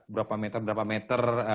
berapa meter berapa meter